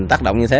tác động như thế